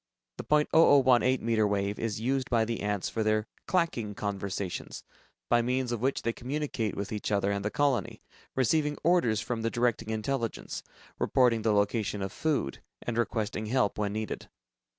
The .0018 meter wave is used by the ants for their "clacking" conversations, by means of which they communicate with each other and the colony, receiving orders from the directing intelligence, reporting the location of food, and requesting help, when needed.